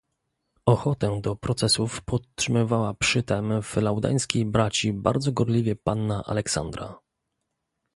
"Ochotę do procesów podtrzymywała przytem w laudańskiej braci bardzo gorliwie panna Aleksandra."